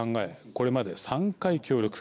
これまで３回、協力。